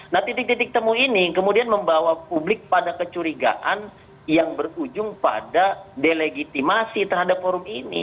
nah titik titik temu ini kemudian membawa publik pada kecurigaan yang berujung pada delegitimasi terhadap forum ini